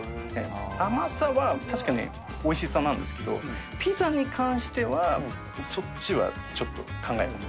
甘さは確かにおいしさなんですけど、ピザに関してはそっちはちょっと考えもの。